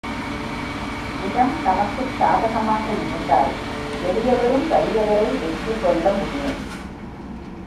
இடம் தமக்குச் சாதகமாக இருந்தால் எளியவரும் வலியவரை வெற்றிகொள்ள முடியும்.